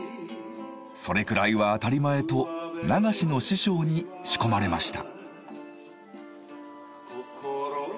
それくらいは当たり前と流しの師匠に仕込まれました。